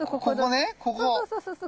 そうそうそうそうそう。